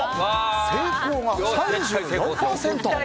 成功が３４％。